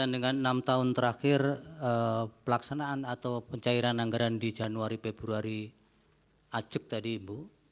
dengan enam tahun terakhir pelaksanaan atau pencairan anggaran di januari februari acep tadi ibu